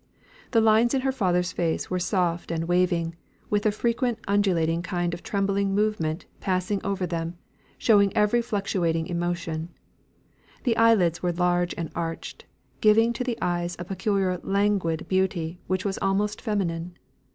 The lines in her father's face were soft and waving, with a frequent undulating kind of trembling movement passing over them, showing every fluctuating emotion; the eyelids were large and arched, giving to the eyes a peculiar languid beauty which was almost feminine.